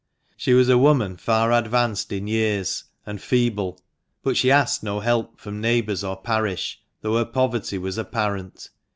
She was a woman far advanced in years, and feeble, but she asked no help from neighbours or parish, though her poverty was apparent.